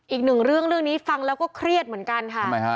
อีกหนึ่งเรื่องเรื่องนี้ฟังแล้วก็เครียดเหมือนกันค่ะทำไมฮะ